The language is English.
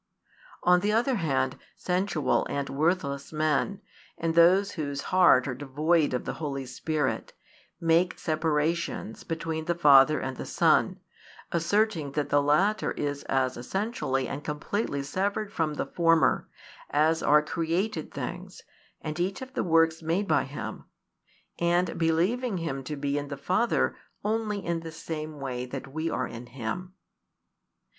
On the other hand, sensual and worthless men, and those whose hearts are devoid of the Holy Spirit, make separations between the Father and the Son; asserting that the latter is as essentially and completely severed from the former as are created things and each of the works made by Him, and believing Him to be in the Father only in the same way that we are in Him.